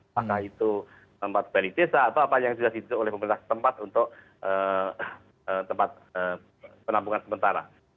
apakah itu tempat bali desa atau apa yang sudah ditutup oleh pemerintah tempat untuk tempat penampungan sementara